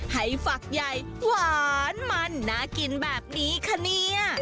ให้ฝักใหญ่หวานมันน่ากินแบบนี้คะเนี่ย